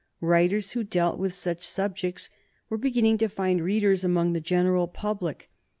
Writers who dealt with such subjects were beginning to find readers among the general public.